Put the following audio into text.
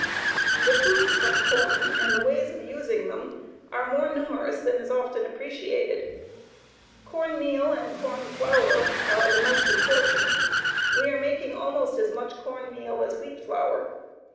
The foods from corn and the ways of using them are more numerous than is often appreciated. Corn meal and corn flour are the most important. We are making almost as much corn meal as wheat flour.